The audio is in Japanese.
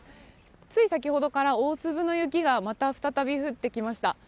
つい先ほどから大粒の雪がまた再び降ってきました。